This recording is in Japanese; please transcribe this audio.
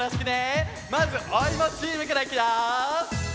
まずおいもチームからいくよ。